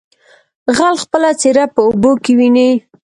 ـ غل خپله څېره په اوبو کې ويني.